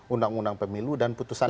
undang undang pemilu dan putusan